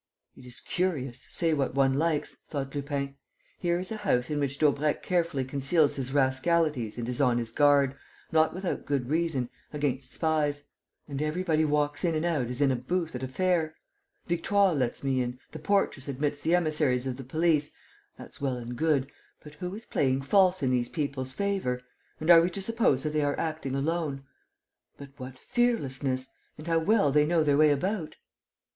"It's curious, say what one likes," thought Lupin. "Here is a house in which Daubrecq carefully conceals his rascalities and is on his guard, not without good reason, against spies; and everybody walks in and out as in a booth at a fair. Victoire lets me in, the portress admits the emissaries of the police: that's well and good; but who is playing false in these people's favour? Are we to suppose that they are acting alone? But what fearlessness! And how well they know their way about!"